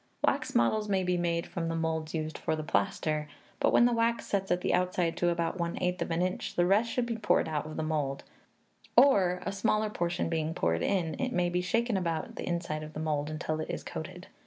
Wax models may be made from the moulds used for the plaster; but when the wax sets at the outside to about one eighth of an inch, the rest should be poured out of the mould; or, a smaller portion being poured in, it may be shaken about the inside of the mould until it is coated.